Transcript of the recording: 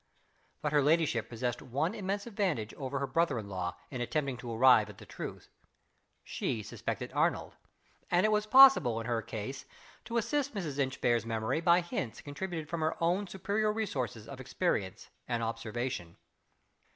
But her ladyship possessed one immense advantage over her brother in law in attempting to arrive at the truth. She suspected Arnold and it was possible, in her case, to assist Mrs. Inchbare's memory by hints contributed from her own superior resources of experience and observation.